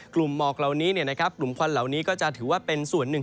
หมอกเหล่านี้กลุ่มควันเหล่านี้ก็จะถือว่าเป็นส่วนหนึ่ง